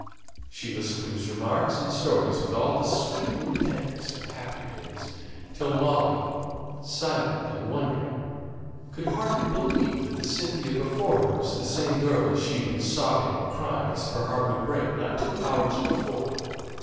She listened to his remarks and stories with all the sweet intentness of happier days, till Molly, silent and wondering, could hardly believe that the Cynthia before her was the same girl as she who was sobbing and crying as if her heart would break, but two hours before.